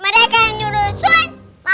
mereka yang juru suit